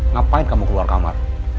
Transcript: ngapain kamu keluar kamar